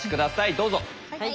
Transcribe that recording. どうぞ。